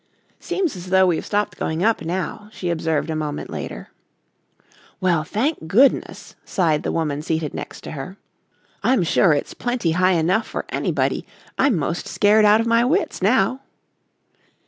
"Seems as though we've stopped going up now," she observed a moment later. "Well, thank goodness," sighed the woman seated next to her, "I'm sure it's plenty high enough for anybody. I'm most scared out of my wits now."